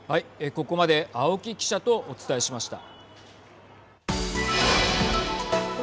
ここまで青木記者とお伝えしました。